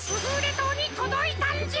島にとどいたんじゃ！